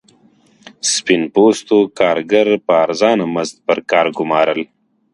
سپین پوستو کارګر په ارزانه مزد پر کار ګومارل.